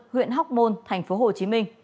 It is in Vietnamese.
huyện hóc môn tp hcm